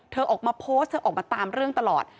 เธอออกมาโพสต์เธอออกมาตามเรื่องตลอด